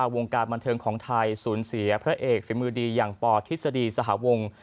วงการบันเทิงของไทยสูญเสียพระเอกฝีมือดีอย่างปทฤษฎีสหวง